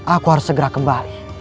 aku harus segera kembali